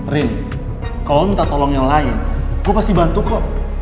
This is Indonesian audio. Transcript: rin kalau minta tolong yang lain gue pasti bantu kok